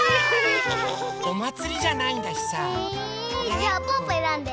じゃあぽぅぽえらんで。